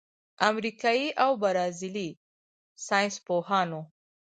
امریکايي او برازیلي ساینسپوهانو